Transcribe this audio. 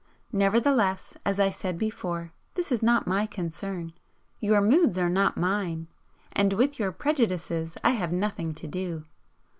Nevertheless, as I said before, this is not my concern. Your moods are not mine, and with your prejudices I have nothing to do.